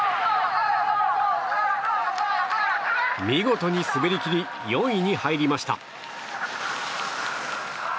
見事に滑りきり４位に入りました。